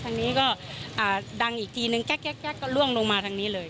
ทางนี้ก็ดังอีกทีนึงแก๊กก็ล่วงลงมาทางนี้เลย